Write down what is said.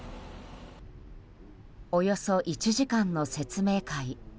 およそ１時間の説明会。